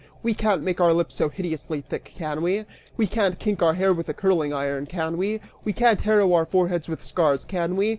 We can't make our lips so hideously thick, can we? We can't kink our hair with a curling iron, can we? We can't harrow our foreheads with scars, can we?